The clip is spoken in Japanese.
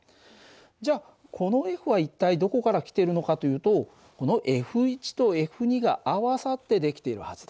じゃあこのＦは一体どこから来てるのかというとこのＦとＦが合わさって出来ているはずだ。